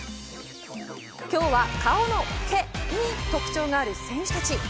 今日は顔の毛に特徴がある選手たち。